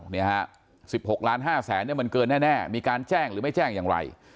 นี่ฮะ๑๖ล้าน๕แสนเนี่ยมันเกินแน่มีการแจ้งหรือไม่แจ้งอย่างไร